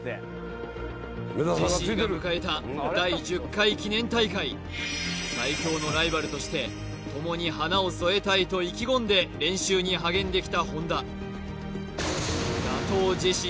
ジェシーが迎えた第１０回記念大会最強のライバルとして共に花を添えたいと意気込んで練習に励んできた本田